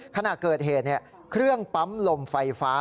ขณะเกิดเหตุเครื่องปั๊มลมไฟฟ้า